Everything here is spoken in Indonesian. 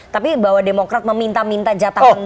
tapi bahwa demokrat meminta minta jatah menteri